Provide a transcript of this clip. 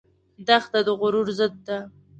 دښته د غرور ضد ده.